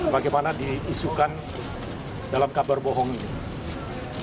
bagaimana diisukan dalam kabar bohong ini